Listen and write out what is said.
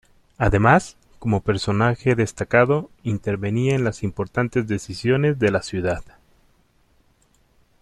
Además, como personaje destacado, intervenía en las importantes decisiones de la ciudad.